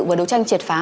và đấu tranh triệt phá